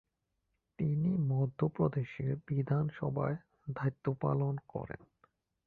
তিনি মধ্যপ্রদেশের বিধানসভার দায়িত্ব পালন করেন।